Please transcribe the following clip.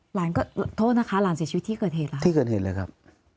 หลานก็โทษนะคะหลานเสียชีวิตที่เกิดเหตุเหรอที่เกิดเหตุเลยครับ